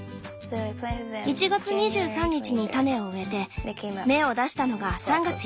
１月２３日に種を植えて芽を出したのが３月４日。